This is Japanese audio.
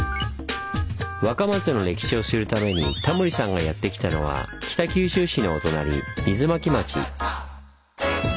若松の歴史を知るためにタモリさんがやって来たのは北九州市のお隣水巻町。